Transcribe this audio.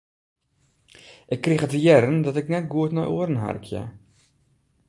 Ik krige te hearren dat ik net goed nei oaren harkje.